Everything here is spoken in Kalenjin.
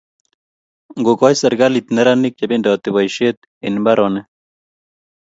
Ngo koch serikalit neranik che bendoti boishet eng' mbaronik